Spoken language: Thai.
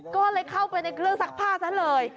ก็เลยเข้าไปในเครื่องซักผ้าซะเลย